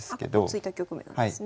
突いた局面なんですね。